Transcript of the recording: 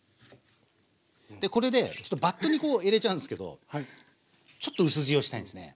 これでバットにこう入れちゃうんすけどちょっとうす塩したいんすね。